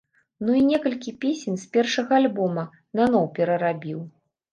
Ну, і некалькі песень з першага альбома наноў перарабіў.